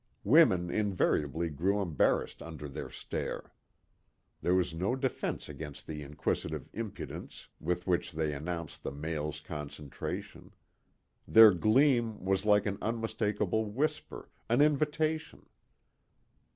Women invariably grew embarrassed under their stare. There was no defense against the inquisitive impudence with which they announced the male's concentration. Their gleam was like an unmistakable whisper an invitation.